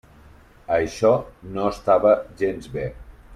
Això no estava gens bé.